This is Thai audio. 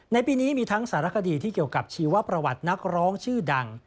ในปีนี้มีทั้งสารคดีที่เกี่ยวกับชีวประวัตินักร้องชื่อดัง